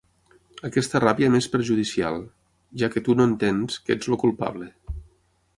Aquesta ràbia m'és perjudicial, ja que tu no entens que ets el culpable.